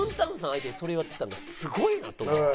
相手にそれをやってたのがすごいなと思って。